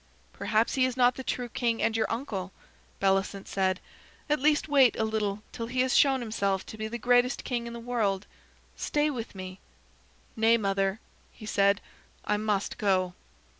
"Perhaps he is not the true king and your uncle," Bellicent said. "At least wait a little till he has shown himself to be the greatest king in the world. Stay with me." "Nay, mother," he said. "I must go."